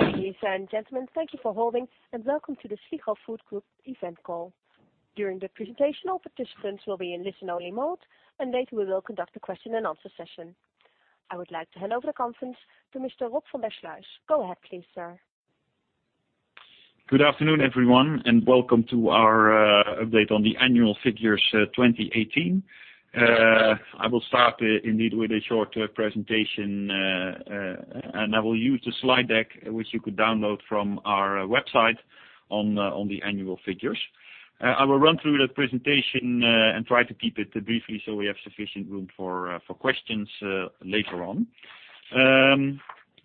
Ladies and gentlemen, thank you for holding and welcome to the Sligro Food Group event call. During the presentation, all participants will be in listen-only mode, and later we will conduct a question and answer session. I would like to hand over the conference to Mr. Rob van der Sluijs. Go ahead please, sir. Good afternoon, everyone, and welcome to our update on the annual figures 2018. I will start indeed with a short presentation, and I will use the slide deck, which you could download from our website on the annual figures. I will run through that presentation and try to keep it briefly so we have sufficient room for questions later on.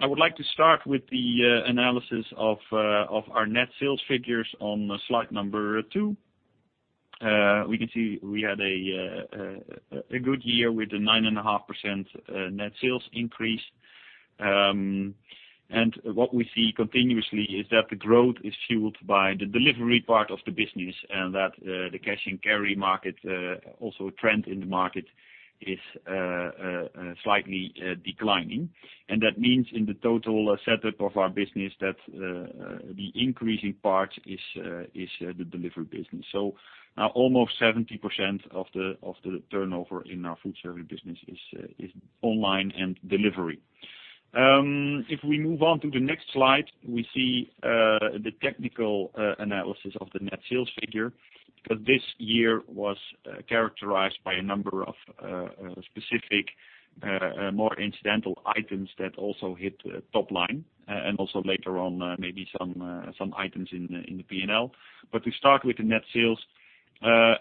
I would like to start with the analysis of our net sales figures on slide number 2. We can see we had a good year with a 9.5% net sales increase. What we see continuously is that the growth is fueled by the delivery part of the business and that the cash and carry market, also a trend in the market, is slightly declining. That means in the total setup of our business that the increasing part is the delivery business. Now almost 70% of the turnover in our food service business is online and delivery. If we move on to the next slide, we see the technical analysis of the net sales figure, because this year was characterized by a number of specific, more incidental items that also hit top line and also later on, maybe some items in the P&L. To start with the net sales,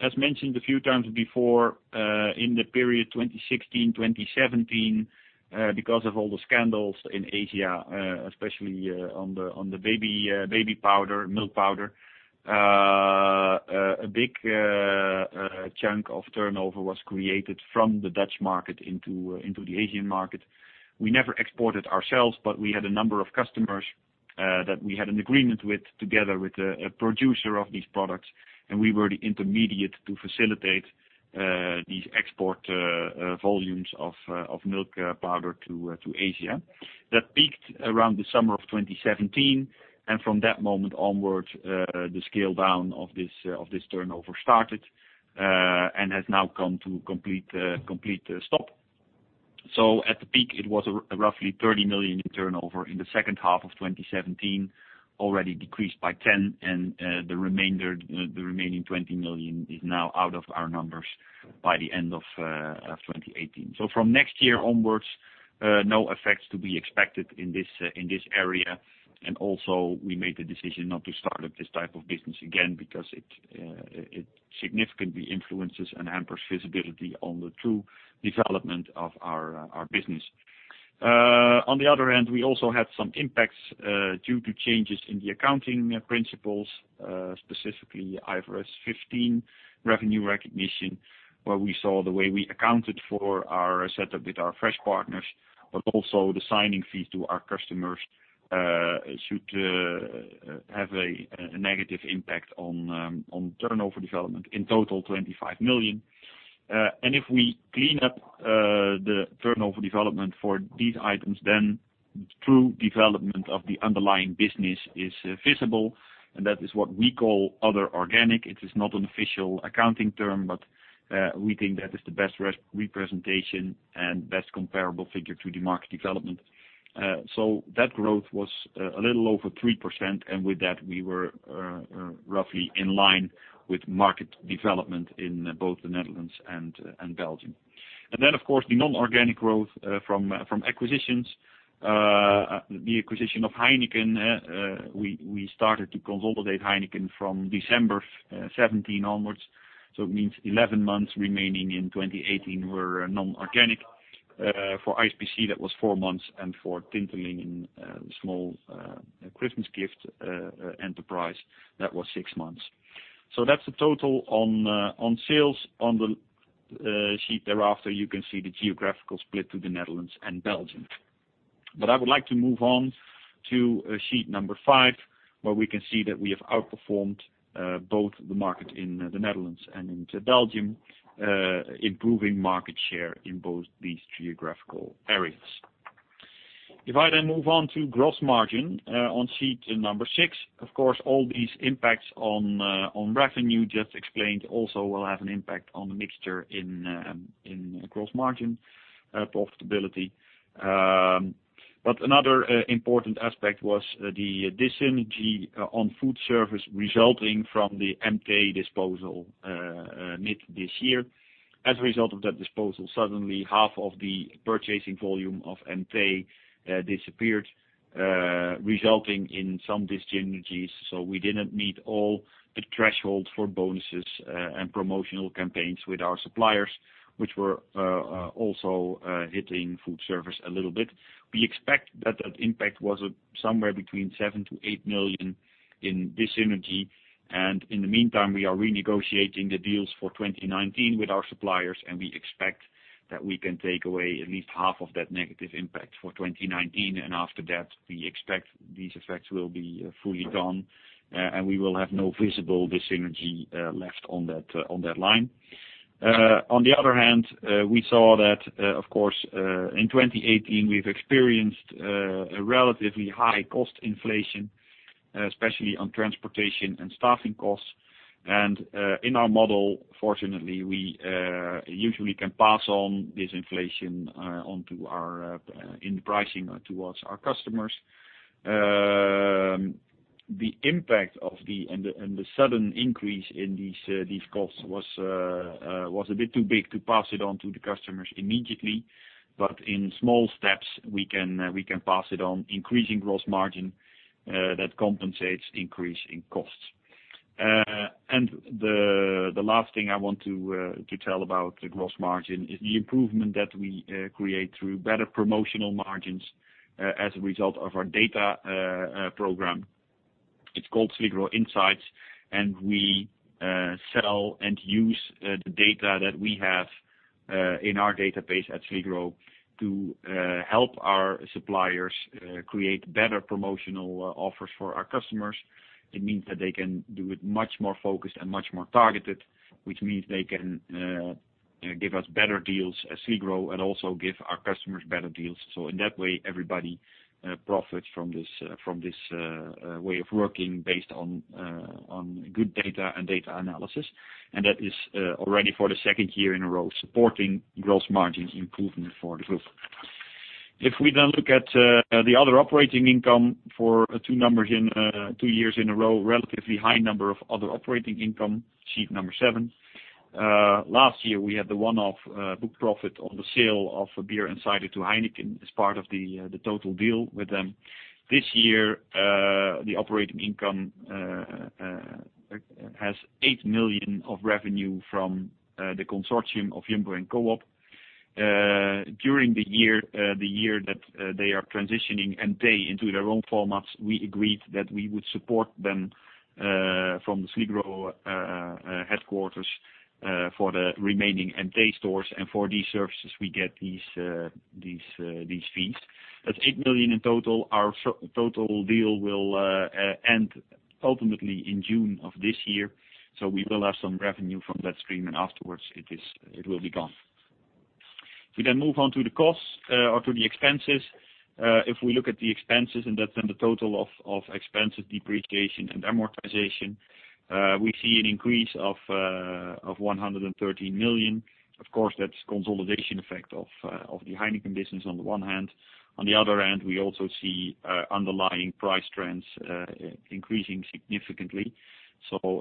as mentioned a few times before, in the period 2016, 2017, because of all the scandals in Asia, especially on the baby powder, milk powder, a big chunk of turnover was created from the Dutch market into the Asian market. We never exported ourselves, but we had a number of customers that we had an agreement with together with a producer of these products, and we were the intermediate to facilitate these export volumes of milk powder to Asia. That peaked around the summer of 2017. From that moment onwards, the scale down of this turnover started, and has now come to complete stop. At the peak, it was roughly 30 million in turnover in the second half of 2017, already decreased by 10 million and the remaining 20 million is now out of our numbers by the end of 2018. From next year onwards, no effects to be expected in this area. Also we made the decision not to start up this type of business again because it significantly influences and hampers visibility on the true development of our business. On the other end, we also had some impacts due to changes in the accounting principles, specifically IFRS 15 revenue recognition, where we saw the way we accounted for our setup with our fresh partners, but also the signing fee to our customers should have a negative impact on turnover development in total 25 million. If we clean up the turnover development for these items, true development of the underlying business is visible, and that is what we call other organic. It is not an official accounting term, but we think that is the best representation and best comparable figure to the market development. That growth was a little over 3%, and with that, we were roughly in line with market development in both the Netherlands and Belgium. Of course, the non-organic growth from acquisitions. The acquisition of Heineken, we started to consolidate Heineken from December 2017 onwards. It means 11 months remaining in 2018 were non-organic. For ISPC, that was four months, and for Tintelingen small Christmas gift enterprise, that was six months. That's the total on sales. On the sheet thereafter, you can see the geographical split to the Netherlands and Belgium. I would like to move on to sheet number 5, where we can see that we have outperformed both the market in the Netherlands and into Belgium, improving market share in both these geographical areas. If I move on to gross margin on sheet number 6, of course, all these impacts on revenue just explained also will have an impact on the mixture in gross margin profitability. Another important aspect was the dis-synergy on food service resulting from the EMTÉ disposal mid this year. As a result of that disposal, suddenly half of the purchasing volume of EMTÉ disappeared, resulting in some dis-synergies. We didn't meet all the thresholds for bonuses and promotional campaigns with our suppliers, which were also hitting food service a little bit. We expect that that impact was somewhere between 7 million-8 million in dis-synergy. In the meantime, we are renegotiating the deals for 2019 with our suppliers. We expect that we can take away at least half of that negative impact for 2019. After that, we expect these effects will be fully gone, and we will have no visible dis-synergy left on that line. On the other hand, we saw that, of course, in 2018, we've experienced a relatively high cost inflation, especially on transportation and staffing costs. In our model, fortunately, we usually can pass on this inflation in the pricing towards our customers. The impact and the sudden increase in these costs was a bit too big to pass it on to the customers immediately. In small steps, we can pass it on, increasing gross margin that compensates increase in costs. The last thing I want to tell about the gross margin is the improvement that we create through better promotional margins as a result of our data program. It's called Sligro Insights. We sell and use the data that we have in our database at Sligro to help our suppliers create better promotional offers for our customers. It means that they can do it much more focused and much more targeted, which means they can give us better deals as Sligro and also give our customers better deals. In that way, everybody profits from this way of working based on good data and data analysis. That is already for the second year in a row, supporting gross margin improvement for the group. If we then look at the other operating income for two years in a row, relatively high number of other operating income, sheet number 7. Last year, we had the one-off book profit on the sale of Beer Insider to Heineken as part of the total deal with them. This year, the operating income has 8 million of revenue from the consortium of Jumbo and Coop. During the year that they are transitioning and pay into their own formats, we agreed that we would support them from the Sligro headquarters for the remaining EMTÉ stores. For these services, we get these fees. That is 8 million in total. Our total deal will end ultimately in June of this year, we will have some revenue from that stream, afterwards it will be gone. If we then move on to the costs or to the expenses, if we look at the expenses, that is in the total of expenses, depreciation, and amortization, we see an increase of 113 million. Of course, that is consolidation effect of the Heineken business on the one hand. On the other hand, we also see underlying price trends increasing significantly,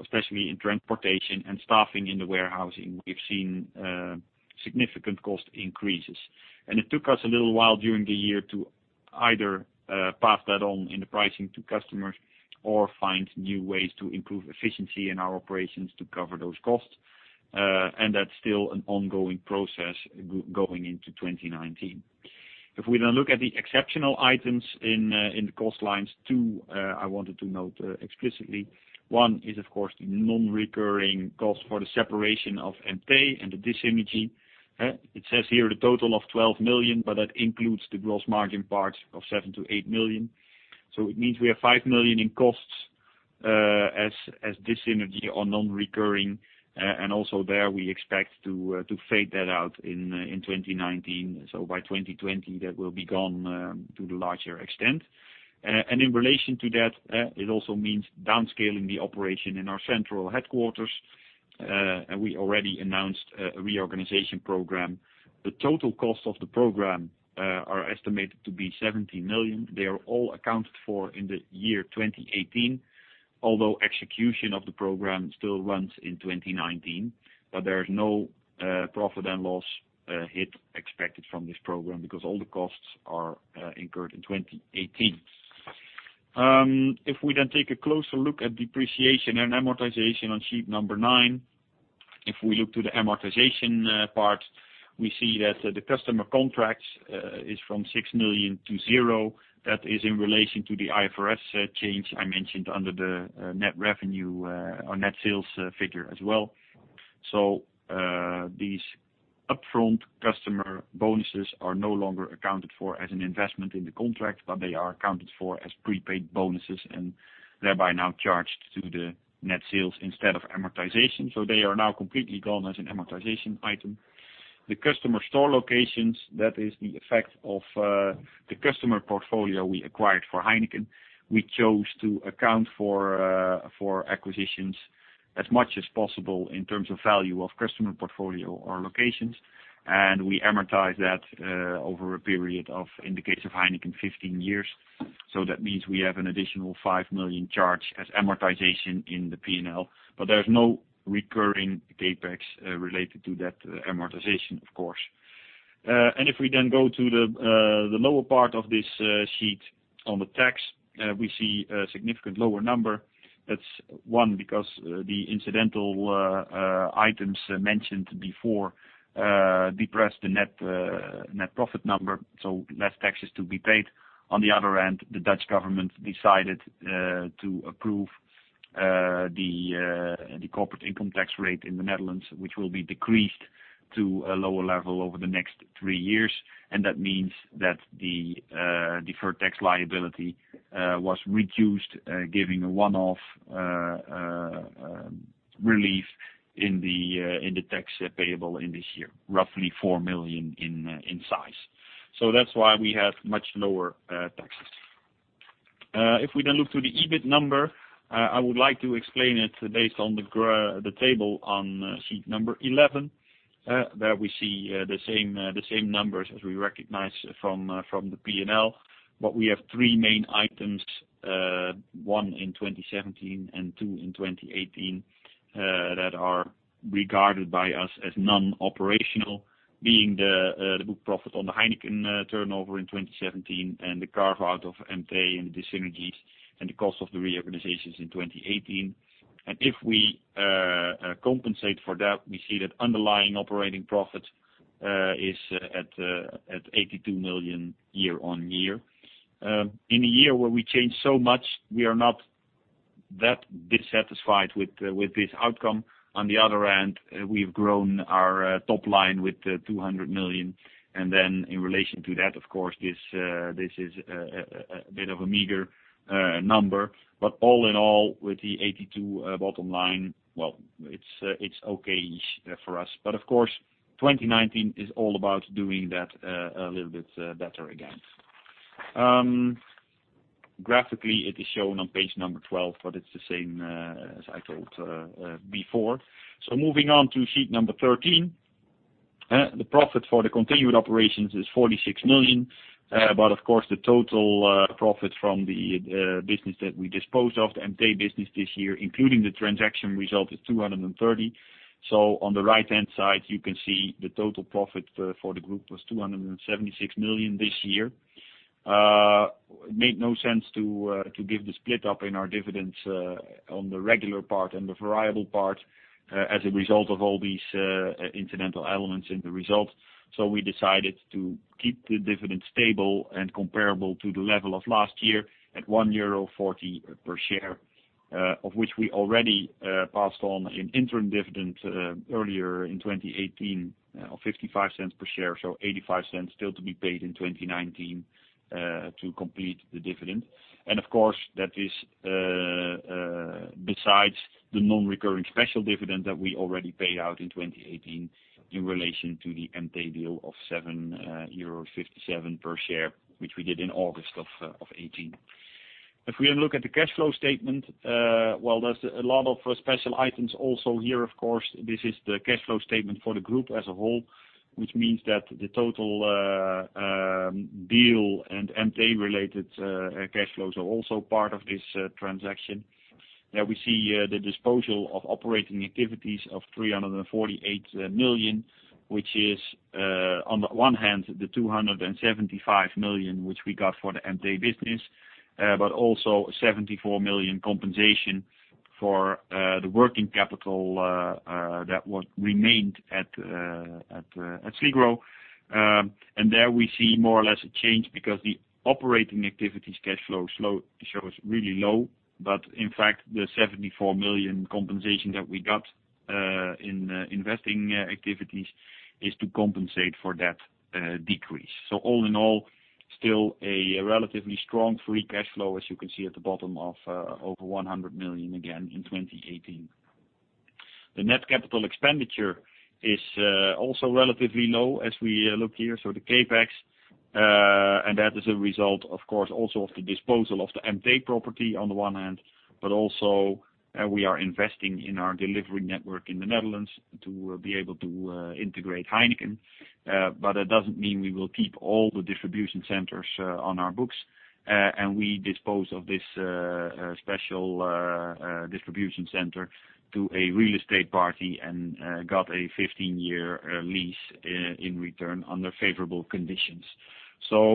especially in transportation and staffing in the warehousing, we have seen significant cost increases. It took us a little while during the year to either pass that on in the pricing to customers or find new ways to improve efficiency in our operations to cover those costs. That is still an ongoing process going into 2019. If we now look at the exceptional items in the cost lines, two, I wanted to note explicitly. One is, of course, the non-recurring cost for the separation of EMTÉ and the dis-synergy. It says here the total of 12 million, but that includes the gross margin part of 7 million-8 million. It means we have 5 million in costs as dis-synergy or non-recurring, also there we expect to fade that out in 2019. By 2020, that will be gone to the larger extent. In relation to that, it also means downscaling the operation in our central headquarters. We already announced a reorganization program. The total cost of the program are estimated to be 17 million. They are all accounted for in the year 2018, although execution of the program still runs in 2019. There is no profit and loss hit expected from this program because all the costs are incurred in 2018. If we then take a closer look at depreciation and amortization on sheet number 9, if we look to the amortization part, we see that the customer contracts is from 6 million to zero. That is in relation to the IFRS change I mentioned under the net revenue or net sales figure as well. These upfront customer bonuses are no longer accounted for as an investment in the contract, but they are accounted for as prepaid bonuses and thereby now charged to the net sales instead of amortization. They are now completely gone as an amortization item. The customer store locations, that is the effect of the customer portfolio we acquired for Heineken. We chose to account for acquisitions as much as possible in terms of value of customer portfolio or locations. We amortize that over a period of, in the case of Heineken, 15 years. That means we have an additional 5 million charge as amortization in the P&L, but there is no recurring CapEx related to that amortization, of course. If we then go to the lower part of this sheet on the tax, we see a significant lower number. That's one, because the incidental items mentioned before depress the net profit number, so less taxes to be paid. On the other end, the Dutch government decided to approve the corporate income tax rate in the Netherlands, which will be decreased to a lower level over the next three years. That means that the deferred tax liability was reduced, giving a one-off relief in the tax payable in this year, roughly 4 million in size. That's why we had much lower taxes. If we then look to the EBIT number, I would like to explain it based on the table on sheet number 11, where we see the same numbers as we recognize from the P&L. We have three main items, one in 2017 and two in 2018, that are regarded by us as non-operational, being the book profit on the Heineken turnover in 2017 and the carve-out of EMTÉ and the synergies and the cost of the reorganizations in 2018. If we compensate for that, we see that underlying operating profit is at 82 million year-on-year. In a year where we changed so much, we are not that dissatisfied with this outcome. On the other hand, we've grown our top line with 200 million. In relation to that, of course, this is a bit of a meager number. All in all, with the 82 million bottom line, well, it's okay-ish for us. Of course, 2019 is all about doing that a little bit better again. Graphically, it is shown on page number 12, but it's the same as I told before. Moving on to sheet number 13. The profit for the continued operations is 46 million. Of course, the total profit from the business that we disposed of, the EMTÉ business this year, including the transaction result, is 230 million. On the right-hand side, you can see the total profit for the group was 276 million this year. It made no sense to give the split up in our dividends on the regular part and the variable part as a result of all these incidental elements in the result. We decided to keep the dividend stable and comparable to the level of last year at 1.40 euro per share, of which we already passed on an interim dividend earlier in 2018 of 0.55 per share. 0.85 still to be paid in 2019 to complete the dividend. Of course, that is besides the non-recurring special dividend that we already paid out in 2018 in relation to the EMTÉ deal of 7.57 euro per share, which we did in August of 2018. If we look at the cash flow statement, there's a lot of special items also here, of course. This is the cash flow statement for the group as a whole, which means that the total deal and EMTÉ related cash flows are also part of this transaction. There we see the disposal of operating activities of 348 million, which is, on the one hand, the 275 million which we got for the EMTÉ business, but also 74 million compensation for the working capital that remained at Sligro. There we see more or less a change because the operating activities cash flow shows really low. In fact, the 74 million compensation that we got in investing activities is to compensate for that decrease. All in all, still a relatively strong free cash flow, as you can see at the bottom of over 100 million again in 2018. The net capital expenditure is also relatively low as we look here, so the CapEx. That is a result, of course, also of the disposal of the EMTÉ property on the one hand, but also we are investing in our delivery network in the Netherlands to be able to integrate Heineken. That doesn't mean we will keep all the distribution centers on our books. We dispose of this special distribution center to a real estate party and got a 15-year lease in return under favorable conditions.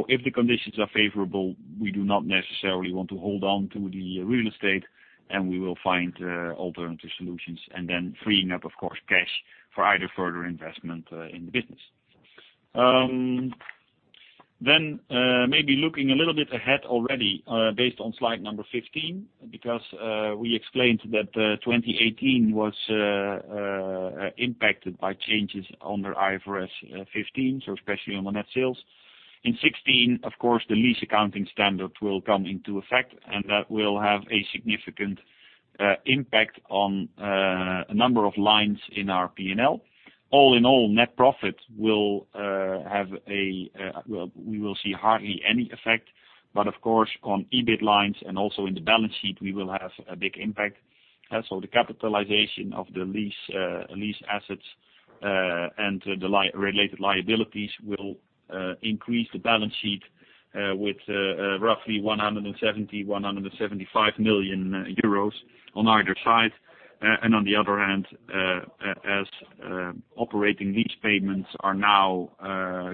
If the conditions are favorable, we do not necessarily want to hold on to the real estate, and we will find alternative solutions, then freeing up, of course, cash for either further investment in the business. Maybe looking a little bit ahead already based on slide number 15, because we explained that 2018 was impacted by changes under IFRS 15, especially on the net sales. In 2016, of course, the lease accounting standard will come into effect, and that will have a significant impact on a number of lines in our P&L. All in all, net profit, we will see hardly any effect. Of course, on EBIT lines and also in the balance sheet, we will have a big impact. The capitalization of the lease assets and the related liabilities will increase the balance sheet with roughly 170 million euros, 175 million euros on either side. On the other hand, as operating lease payments are now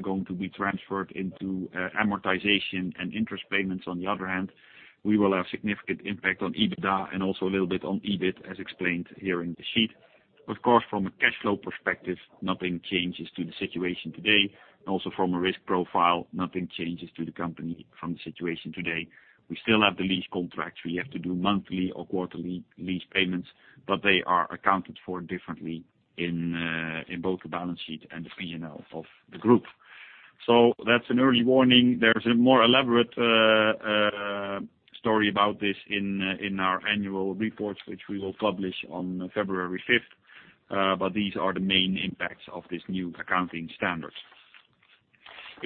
going to be transferred into amortization and interest payments on the other hand, we will have significant impact on EBITDA and also a little bit on EBIT, as explained here in the sheet. Of course, from a cash flow perspective, nothing changes to the situation today. Also from a risk profile, nothing changes to the company from the situation today. We still have the lease contracts. We have to do monthly or quarterly lease payments, but they are accounted for differently in both the balance sheet and the P&L of the group. So that's an early warning. There's a more elaborate story about this in our annual reports, which we will publish on February 5th. These are the main impacts of this new accounting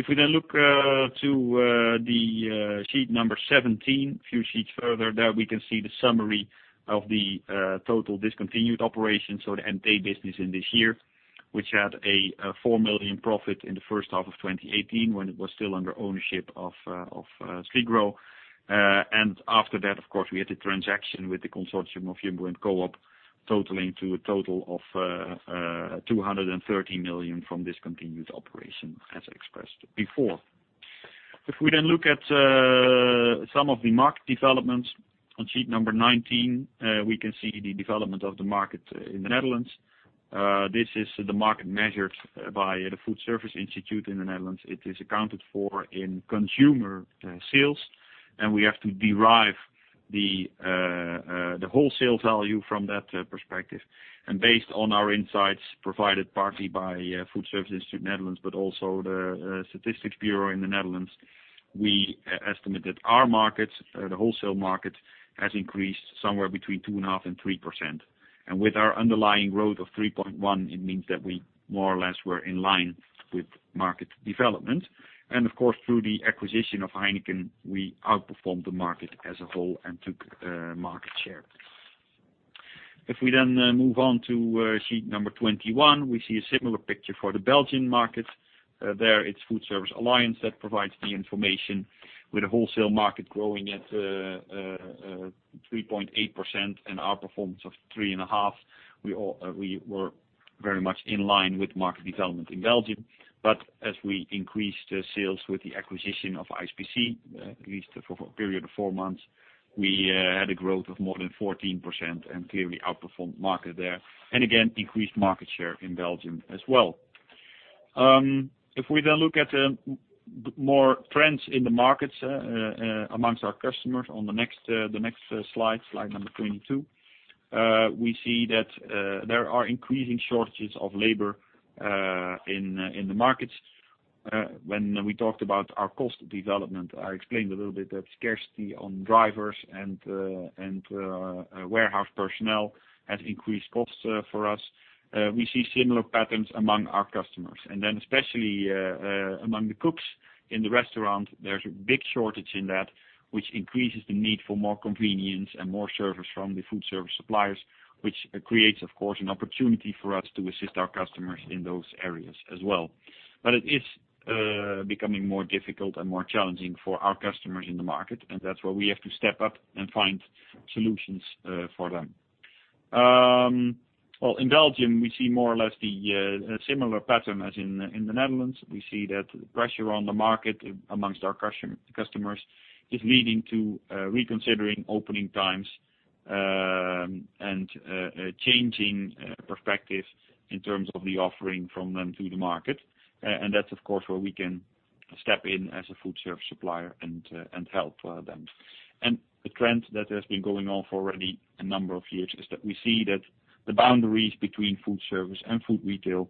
standard. We then look to sheet 17, a few sheets further, there we can see the summary of the total discontinued operations, so the EMTÉ business in this year, which had a 4 million profit in the first half of 2018 when it was still under ownership of Sligro. After that, of course, we had a transaction with the consortium of Jumbo and Coop, totaling to a total of 230 million from discontinued operation as expressed before. If we then look at some of the market developments on sheet 19, we can see the development of the market in the Netherlands. This is the market measured by the Foodservice Instituut Nederland. It is accounted for in consumer sales, and we have to derive the wholesale value from that perspective. Based on our insights provided partly by Foodservice Instituut Nederland, but also Statistics Netherlands, we estimate that our markets, the wholesale market, has increased somewhere between 2.5%-3%. With our underlying growth of 3.1%, it means that we more or less were in line with market development. Of course, through the acquisition of Heineken, we outperformed the market as a whole and took market share. If we then move on to sheet 21, we see a similar picture for the Belgian market. There it's Food Service Alliance that provides the information with the wholesale market growing at 3.8% and our performance of 3.5%. We were very much in line with market development in Belgium. As we increased sales with the acquisition of ISPC, at least for a period of four months, we had a growth of more than 14% and clearly outperformed market there. Again, increased market share in Belgium as well. If we then look at more trends in the markets amongst our customers on the next slide 22, we see that there are increasing shortages of labor in the markets. When we talked about our cost development, I explained a little bit that scarcity on drivers and warehouse personnel has increased costs for us. We see similar patterns among our customers. Especially among the cooks in the restaurant, there's a big shortage in that, which increases the need for more convenience and more service from the food service suppliers, which creates, of course, an opportunity for us to assist our customers in those areas as well. It is becoming more difficult and more challenging for our customers in the market, and that's where we have to step up and find solutions for them. In Belgium, we see more or less the similar pattern as in the Netherlands. We see that the pressure on the market amongst our customers is leading to reconsidering opening times and changing perspective in terms of the offering from them to the market. That's, of course, where we can step in as a food service supplier and help them. The trend that has been going on for already a number of years is that we see that the boundaries between food service and food retail,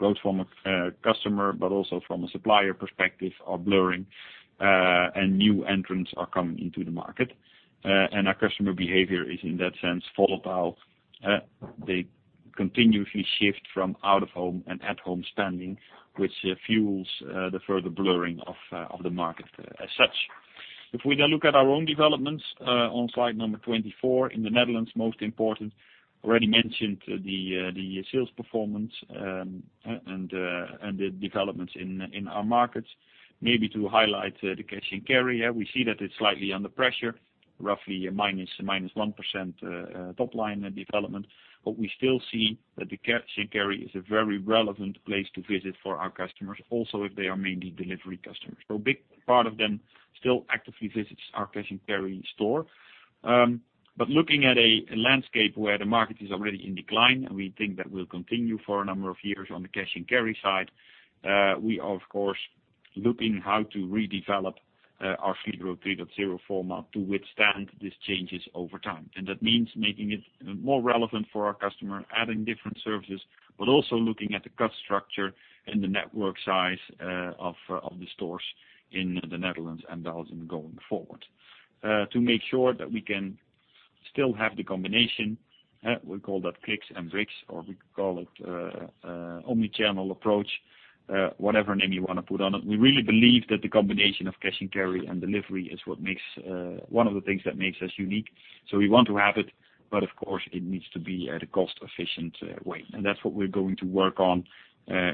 both from a customer but also from a supplier perspective, are blurring, and new entrants are coming into the market. Our customer behavior is, in that sense, volatile. They continuously shift from out of home and at home spending, which fuels the further blurring of the market as such. If we then look at our own developments on slide number 24, in the Netherlands, most important, already mentioned the sales performance and the developments in our markets. Maybe to highlight the cash and carry here, we see that it's slightly under pressure, roughly -1% top line development. We still see that the cash and carry is a very relevant place to visit for our customers, also if they are mainly delivery customers. A big part of them still actively visits our cash and carry store. Looking at a landscape where the market is already in decline, and we think that will continue for a number of years on the cash and carry side, we are, of course, looking how to redevelop our Sligro 3.0 format to withstand these changes over time. That means making it more relevant for our customer, adding different services, but also looking at the cost structure and the network size of the stores in the Netherlands and Belgium going forward. To make sure that we can still have the combination, we call that clicks and bricks, or we could call it omni-channel approach, whatever name you want to put on it. We really believe that the combination of cash and carry and delivery is one of the things that makes us unique. So we want to have it, but of course, it needs to be at a cost-efficient way. That's what we're going to work on,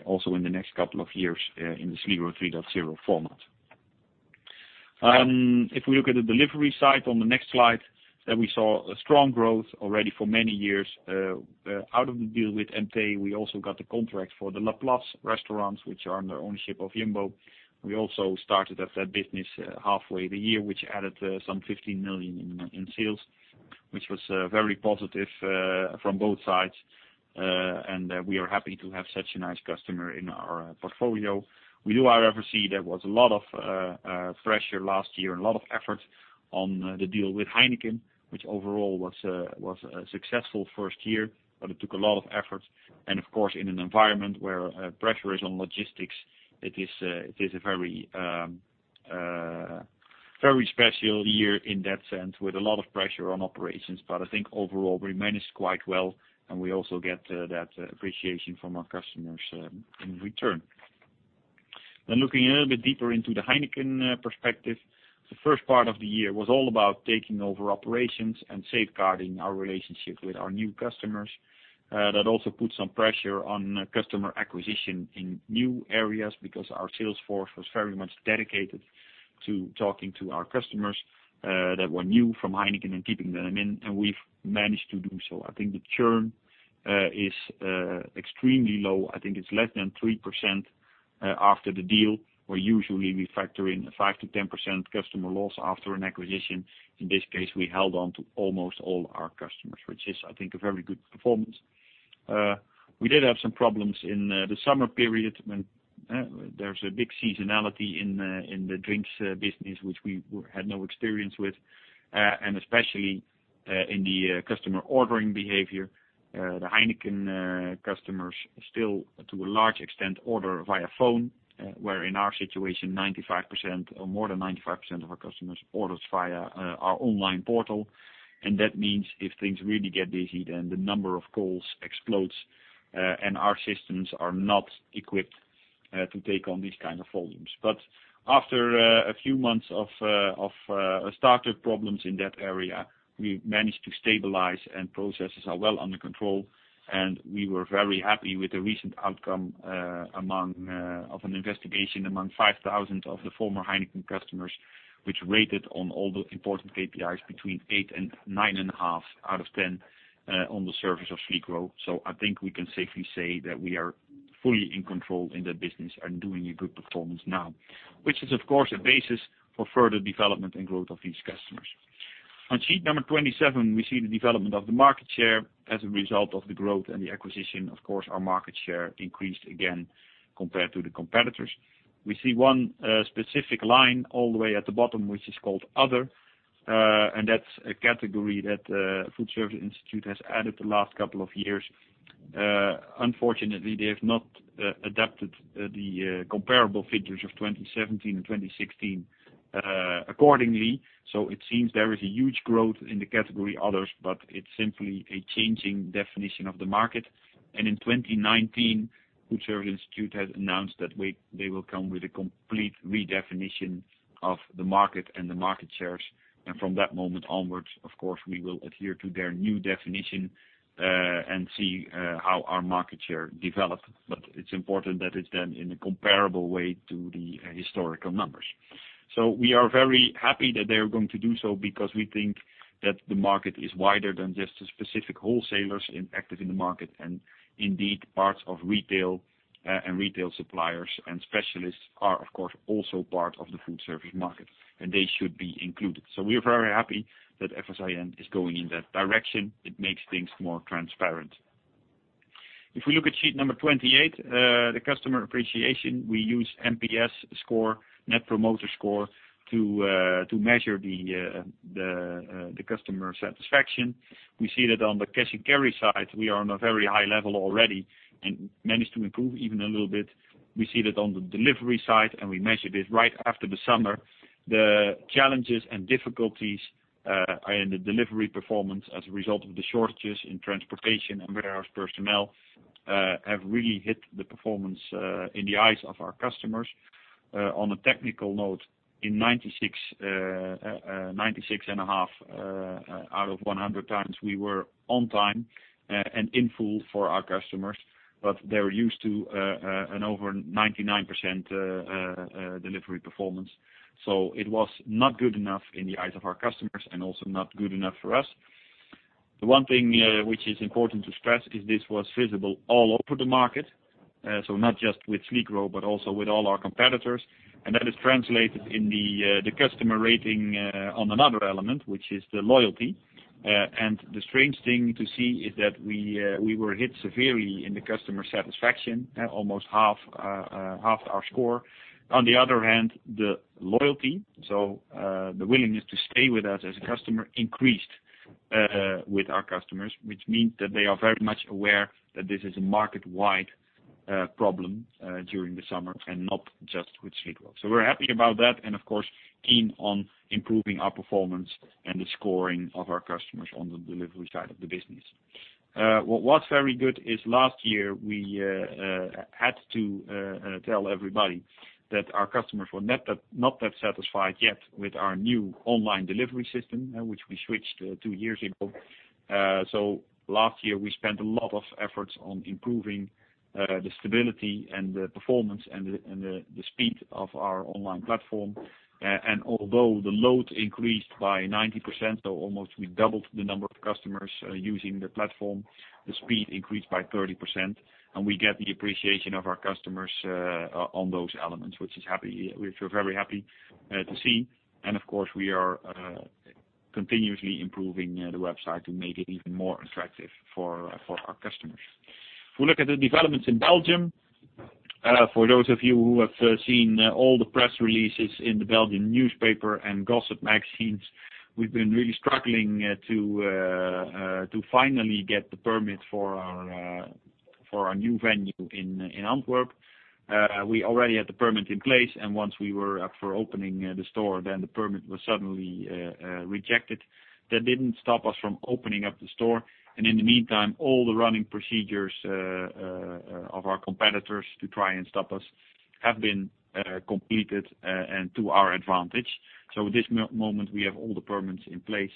also in the next couple of years in the Sligro 3.0 format. If we look at the delivery side on the next slide, we saw a strong growth already for many years. Out of the deal with EMTÉ, we also got the contract for the La Place restaurants, which are in the ownership of Jumbo. We also started that business halfway the year, which added some 15 million in sales, which was very positive from both sides. We are happy to have such a nice customer in our portfolio. We do, however, see there was a lot of pressure last year and a lot of effort on the deal with Heineken, which overall was a successful first year, but it took a lot of effort. Of course, in an environment where pressure is on logistics, it is a very special year in that sense, with a lot of pressure on operations. I think overall we managed quite well, and we also get that appreciation from our customers in return. Looking a little bit deeper into the Heineken perspective, the first part of the year was all about taking over operations and safeguarding our relationship with our new customers. That also put some pressure on customer acquisition in new areas, because our sales force was very much dedicated to talking to our customers that were new from Heineken and keeping them in, and we've managed to do so. I think the churn is extremely low. I think it's less than 3% after the deal, where usually we factor in a 5%-10% customer loss after an acquisition. In this case, we held on to almost all our customers, which is, I think, a very good performance. We did have some problems in the summer period when there's a big seasonality in the drinks business, which we had no experience with, and especially in the customer ordering behavior. The Heineken customers still, to a large extent, order via phone, where in our situation, more than 95% of our customers orders via our online portal. That means if things really get busy, then the number of calls explodes, and our systems are not equipped to take on these kind of volumes. After a few months of starter problems in that area, we managed to stabilize and processes are well under control, and we were very happy with the recent outcome of an investigation among 5,000 of the former Heineken customers, which rated on all the important KPIs between eight and nine and a half out of 10 on the service of Sligro. I think we can safely say that we are fully in control in that business and doing a good performance now. Which is, of course, a basis for further development and growth of these customers. On sheet number 27, we see the development of the market share as a result of the growth and the acquisition. Of course, our market share increased again compared to the competitors. We see one specific line all the way at the bottom, which is called Other, and that's a category that Foodservice Instituut has added the last couple of years. Unfortunately, they have not adapted the comparable figures of 2017 and 2016 accordingly. It seems there is a huge growth in the category Others, but it's simply a changing definition of the market. In 2019, Foodservice Instituut has announced that they will come with a complete redefinition of the market and the market shares. From that moment onwards, of course, we will adhere to their new definition, and see how our market share develops. It's important that it's done in a comparable way to the historical numbers. We are very happy that they are going to do so because we think that the market is wider than just the specific wholesalers active in the market. Indeed, parts of retail and retail suppliers and specialists are, of course, also part of the foodservice market, and they should be included. We are very happy that FSIN is going in that direction. It makes things more transparent. If we look at sheet number 28, the customer appreciation, we use NPS score, Net Promoter Score, to measure the customer satisfaction. We see that on the cash and carry side, we are on a very high level already and managed to improve even a little bit. We see that on the delivery side, and we measured it right after the summer. The challenges and difficulties in the delivery performance as a result of the shortages in transportation and warehouse personnel have really hit the performance in the eyes of our customers. On a technical note, in 96.5 out of 100 times, we were on time and in full for our customers, but they were used to an over 99% delivery performance. It was not good enough in the eyes of our customers and also not good enough for us. The one thing which is important to stress is this was visible all over the market. Not just with Sligro, but also with all our competitors. That is translated in the customer rating on another element, which is the loyalty. The strange thing to see is that we were hit severely in the customer satisfaction at almost half our score. On the other hand, the loyalty, so the willingness to stay with us as a customer increased with our customers, which means that they are very much aware that this is a market-wide problem during the summer and not just with Sligro. We're happy about that and of course, keen on improving our performance and the scoring of our customers on the delivery side of the business. What was very good is last year we had to tell everybody that our customers were not that satisfied yet with our new online delivery system, which we switched two years ago. Last year, we spent a lot of efforts on improving the stability and the performance and the speed of our online platform. Although the load increased by 90%, so almost we doubled the number of customers using the platform, the speed increased by 30%, and we get the appreciation of our customers on those elements, which we feel very happy to see. Of course, we are continuously improving the website to make it even more attractive for our customers. If we look at the developments in Belgium, for those of you who have seen all the press releases in the Belgian newspaper and gossip magazines, we've been really struggling to finally get the permit for our new venue in Antwerp, we already had the permit in place, and once we were up for opening the store, then the permit was suddenly rejected. That didn't stop us from opening up the store. In the meantime, all the running procedures of our competitors to try and stop us have been completed and to our advantage. At this moment, we have all the permits in place.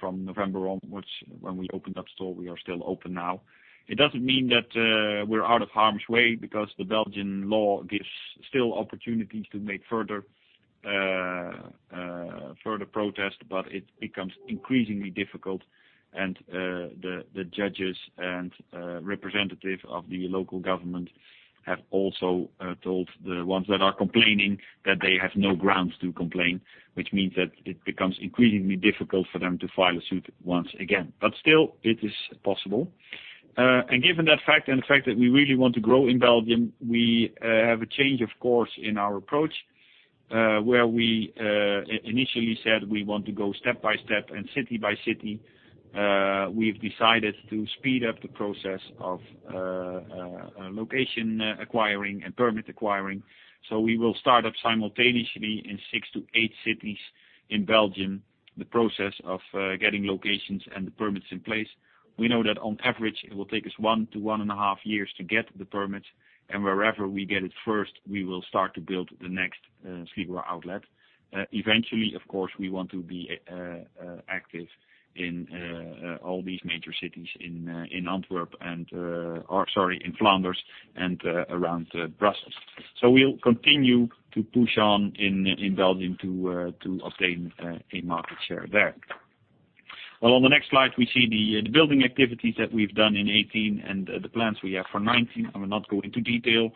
From November onwards, when we opened that store, we are still open now. It doesn't mean that we're out of harm's way because the Belgian law gives still opportunities to make further protest, but it becomes increasingly difficult, and the judges and representative of the local government have also told the ones that are complaining that they have no grounds to complain, which means that it becomes increasingly difficult for them to file a suit once again. Still, it is possible. Given that fact and the fact that we really want to grow in Belgium, we have a change of course in our approach, where we initially said we want to go step by step and city by city. We've decided to speed up the process of location acquiring and permit acquiring. We will start up simultaneously in 6-8 cities in Belgium, the process of getting locations and the permits in place. We know that on average, it will take us one to one and a half years to get the permits, and wherever we get it first, we will start to build the next Sligro outlet. Eventually, of course, we want to be active in all these major cities in Antwerp and, sorry, in Flanders and around Brussels. We'll continue to push on in Belgium to obtain a market share there. On the next slide, we see the building activities that we've done in 2018 and the plans we have for 2019. I will not go into detail.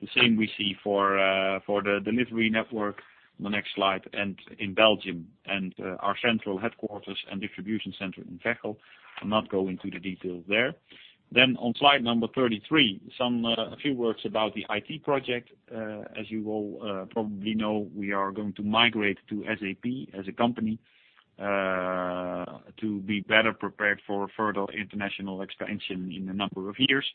The same we see for the delivery network on the next slide and in Belgium and our central headquarters and distribution center in Veghel. I'll not go into the details there. On slide number 33, a few words about the IT project. As you all probably know, we are going to migrate to SAP as a company to be better prepared for further international expansion in a number of years.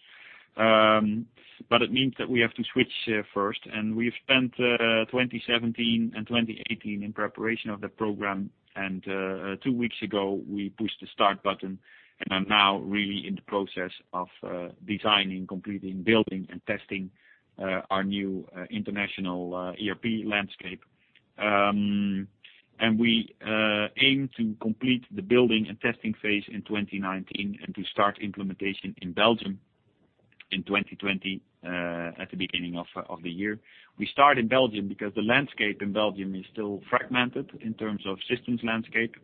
It means that we have to switch first. We've spent 2017 and 2018 in preparation of the program. Two weeks ago, we pushed the start button and are now really in the process of designing, completing, building, and testing our new international ERP landscape. We aim to complete the building and testing phase in 2019 and to start implementation in Belgium in 2020, at the beginning of the year. We start in Belgium because the landscape in Belgium is still fragmented in terms of systems landscape.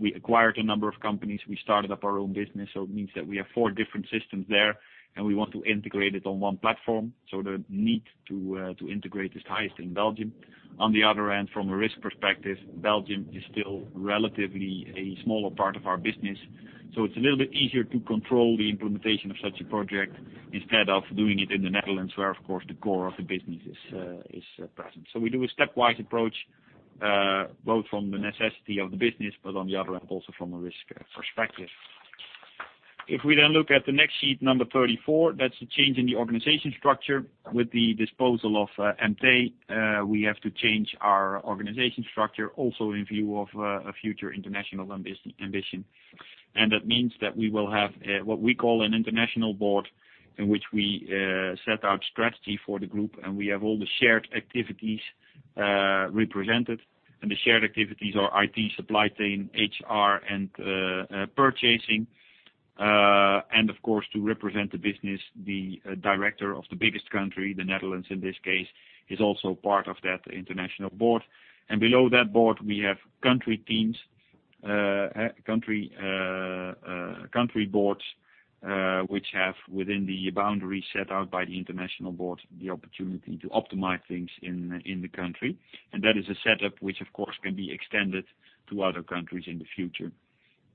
We acquired a number of companies. We started up our own business, so it means that we have four different systems there, and we want to integrate it on one platform, so the need to integrate is highest in Belgium. On the other hand, from a risk perspective, Belgium is still relatively a smaller part of our business, so it's a little bit easier to control the implementation of such a project instead of doing it in the Netherlands, where, of course, the core of the business is present. We do a stepwise approach, both from the necessity of the business, but on the other hand, also from a risk perspective. If we look at the next sheet, number 34, that's a change in the organization structure. With the disposal of EMTÉ, we have to change our organization structure also in view of a future international ambition. That means that we will have what we call an international board, in which we set out strategy for the group, and we have all the shared activities represented. The shared activities are IT, supply chain, HR, and purchasing. Of course, to represent the business, the director of the biggest country, the Netherlands in this case, is also part of that international board. Below that board, we have country teams, country boards, which have within the boundaries set out by the international board, the opportunity to optimize things in the country. That is a setup which, of course, can be extended to other countries in the future.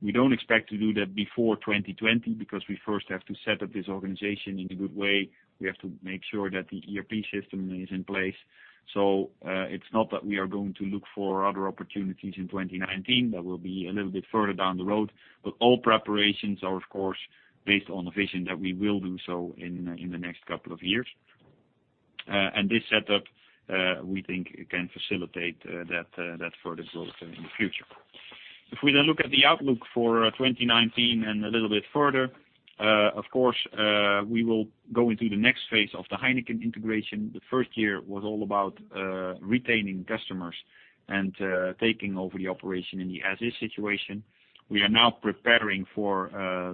We don't expect to do that before 2020 because we first have to set up this organization in a good way. We have to make sure that the ERP system is in place. It's not that we are going to look for other opportunities in 2019. That will be a little bit further down the road. All preparations are, of course, based on the vision that we will do so in the next couple of years. This setup, we think can facilitate that further growth in the future. If we look at the outlook for 2019 and a little bit further, of course, we will go into the next phase of the Heineken integration. The first year was all about retaining customers and taking over the operation in the as-is situation. We are now preparing for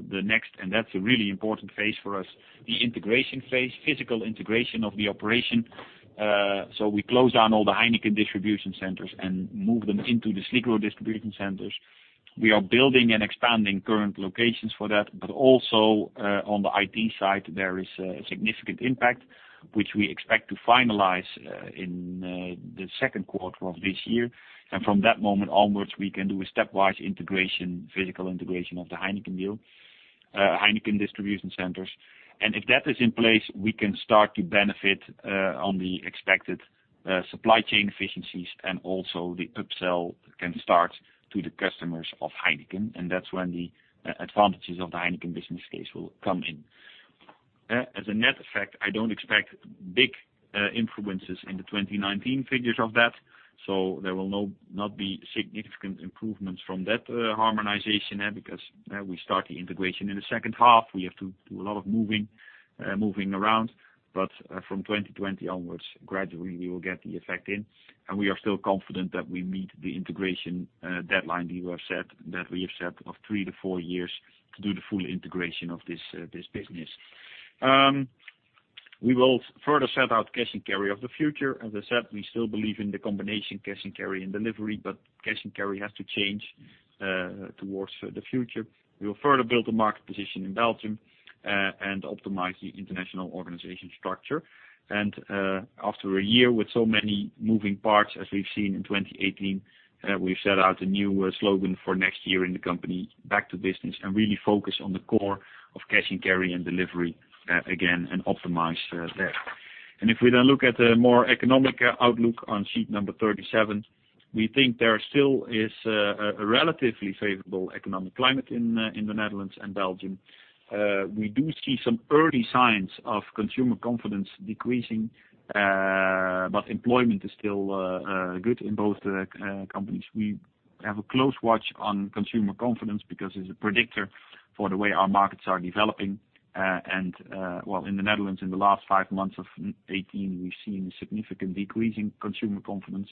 the next, and that's a really important phase for us, the integration phase, physical integration of the operation. We close down all the Heineken distribution centers and move them into the Sligro distribution centers. We are building and expanding current locations for that, but also on the IT side, there is a significant impact, which we expect to finalize in the second quarter of this year. From that moment onwards, we can do a stepwise integration, physical integration of the Heineken deal, Heineken distribution centers. If that is in place, we can start to benefit on the expected supply chain efficiencies and also the upsell can start to the customers of Heineken, and that's when the advantages of the Heineken business case will come in. As a net effect, I don't expect big influences in the 2019 figures of that. There will not be significant improvements from that harmonization, because we start the integration in the second half. We have to do a lot of moving around. From 2020 onwards, gradually we will get the effect in, and we are still confident that we meet the integration deadline that we have set of 3-4 years to do the full integration of this business. We will further set out cash and carry of the future. As I said, we still believe in the combination cash and carry and delivery, cash and carry has to change towards the future. We will further build the market position in Belgium and optimize the international organization structure. After a year with so many moving parts as we've seen in 2018, we've set out a new slogan for next year in the company, back to business, and really focus on the core of cash and carry and delivery again and optimize there. If we look at the more economic outlook on sheet number 37, we think there still is a relatively favorable economic climate in the Netherlands and Belgium. We do see some early signs of consumer confidence decreasing, but employment is still good in both companies. We have a close watch on consumer confidence because it's a predictor for the way our markets are developing. In the Netherlands, in the last five months of 2018, we've seen a significant decrease in consumer confidence.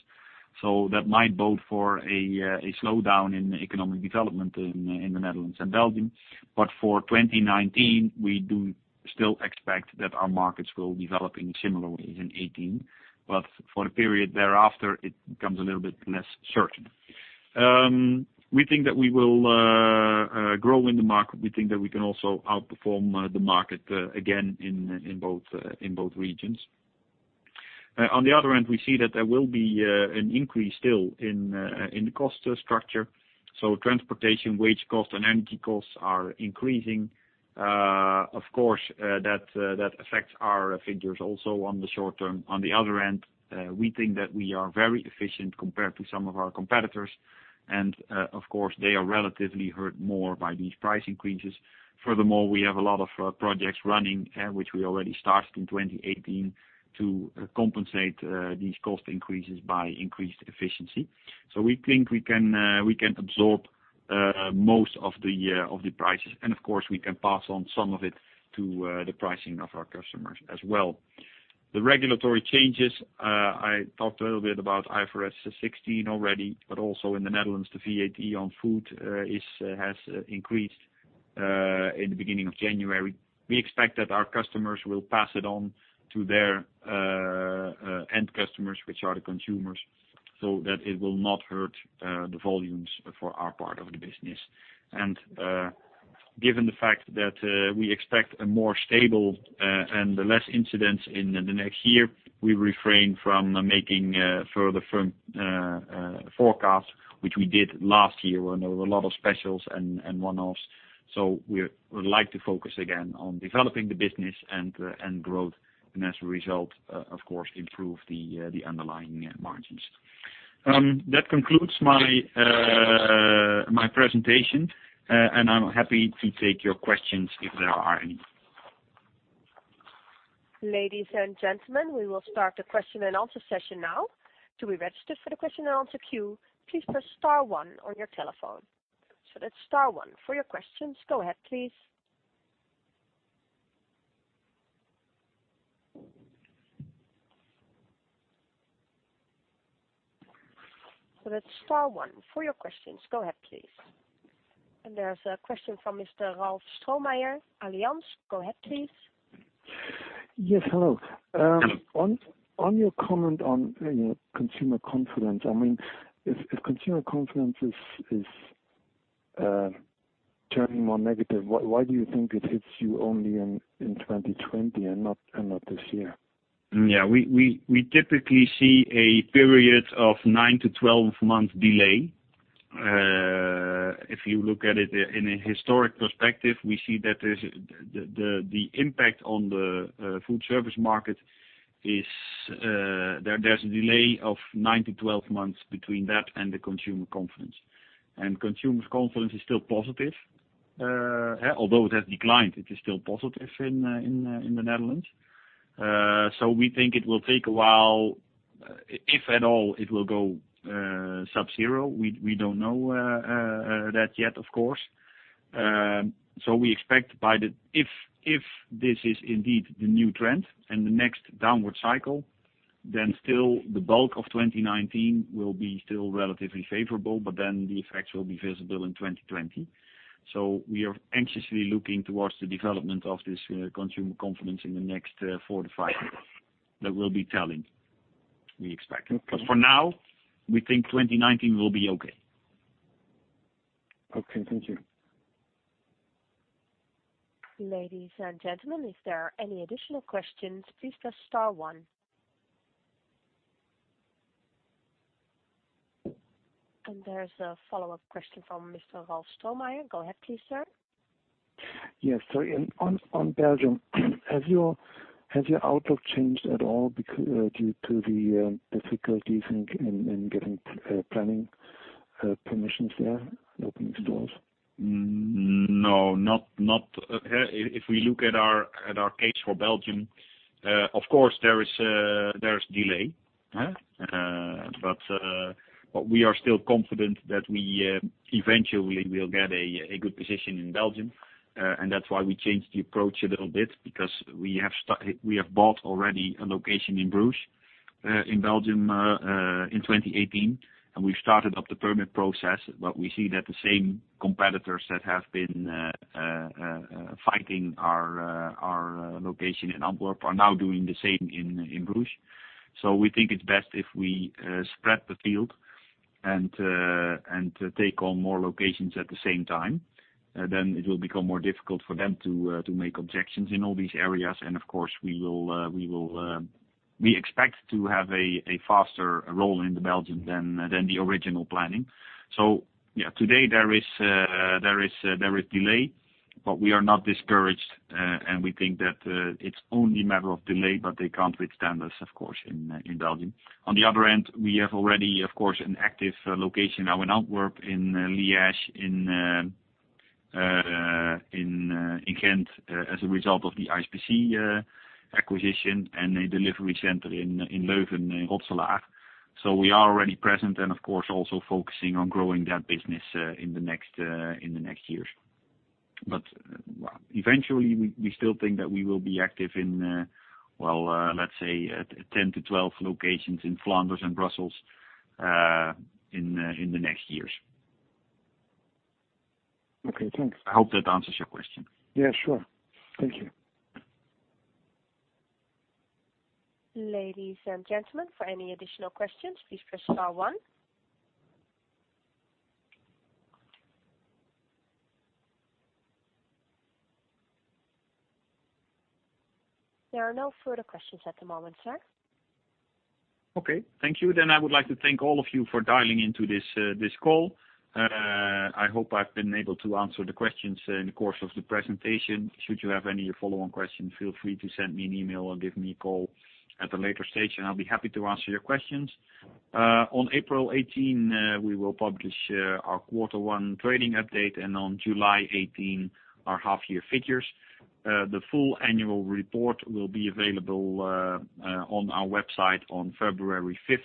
That might bode for a slowdown in economic development in the Netherlands and Belgium. For 2019, we do still expect that our markets will develop in similar ways in 2018. For the period thereafter, it becomes a little bit less certain. We think that we will grow in the market. We think that we can also outperform the market again in both regions. On the other end, we see that there will be an increase still in the cost structure. Transportation, wage cost, and energy costs are increasing. Of course, that affects our figures also on the short term. On the other end, we think that we are very efficient compared to some of our competitors, and, of course, they are relatively hurt more by these price increases. Furthermore, we have a lot of projects running, which we already started in 2018 to compensate these cost increases by increased efficiency. We think we can absorb most of the prices, and of course we can pass on some of it to the pricing of our customers as well. The regulatory changes, I talked a little bit about IFRS 16 already, but also in the Netherlands, the VAT on food has increased in the beginning of January. We expect that our customers will pass it on to their end customers, which are the consumers, so that it will not hurt the volumes for our part of the business. Given the fact that we expect a more stable and less incidents in the next year, we refrain from making further firm forecasts, which we did last year when there were a lot of specials and one-offs. We would like to focus again on developing the business and growth, and as a result, of course, improve the underlying margins. That concludes my presentation, and I'm happy to take your questions if there are any. Ladies and gentlemen, we will start the question and answer session now. To be registered for the question and answer queue, please press star one on your telephone. That's star one. For your questions, go ahead, please. That's star one. For your questions, go ahead, please. There's a question from Mr. Ralf Strohmayer, Allianz. Go ahead, please. Yes. Hello. On your comment on consumer confidence, if consumer confidence is turning more negative, why do you think it hits you only in 2020 and not this year? Yeah. We typically see a period of 9-12 months delay. If you look at it in a historic perspective, we see that the impact on the food service market, there's a delay of 9-12 months between that and the consumer confidence. Consumer confidence is still positive. Although it has declined, it is still positive in the Netherlands. We think it will take a while, if at all, it will go sub-zero. We don't know that yet, of course. We expect if this is indeed the new trend and the next downward cycle, then still the bulk of 2019 will be still relatively favorable, but then the effects will be visible in 2020. We are anxiously looking towards the development of this consumer confidence in the next 4-5 years. That will be telling, we expect. Okay. For now, we think 2019 will be okay. Okay, thank you. Ladies and gentlemen, if there are any additional questions, please press star one. There's a follow-up question from Mr. Ralf Strohmayer. Go ahead please, sir. Yes. On Belgium, has your outlook changed at all due to the difficulties in getting planning permissions there, opening stores? No. If we look at our case for Belgium, of course there's delay. We are still confident that we eventually will get a good position in Belgium, and that's why we changed the approach a little bit because we have bought already a location in Bruges, in Belgium, in 2018, and we've started up the permit process. We see that the same competitors that have been fighting our location in Antwerp are now doing the same in Bruges. We think it's best if we spread the field and take on more locations at the same time, then it will become more difficult for them to make objections in all these areas. Of course, we expect to have a faster roll in Belgium than the original planning. Yeah, today there is delay, but we are not discouraged, and we think that it's only a matter of delay, but they can't withstand us, of course, in Belgium. On the other end, we have already, of course, an active location now in Antwerp, in Liège, in Ghent, as a result of the ISPC acquisition and a delivery center in Leuven and Rotselaar. We are already present and of course, also focusing on growing that business in the next years. Eventually, we still think that we will be active in, let's say, 10-12 locations in Flanders and Brussels in the next years. Okay, thanks. I hope that answers your question. Yeah, sure. Thank you. Ladies and gentlemen, for any additional questions, please press star one. There are no further questions at the moment, sir. Okay. Thank you. I would like to thank all of you for dialing into this call. I hope I've been able to answer the questions in the course of the presentation. Should you have any follow-on questions, feel free to send me an email or give me a call at a later stage, and I'll be happy to answer your questions. On April 18, we will publish our quarter one trading update, and on July 18, our half year figures. The full annual report will be available on our website on February 5th,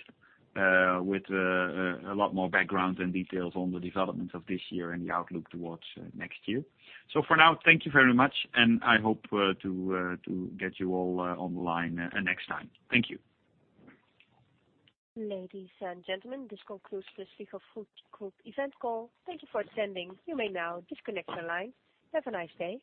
with a lot more background and details on the developments of this year and the outlook towards next year. For now, thank you very much, and I hope to get you all online next time. Thank you. Ladies and gentlemen, this concludes the Sligro Food Group event call. Thank you for attending. You may now disconnect your line. Have a nice day.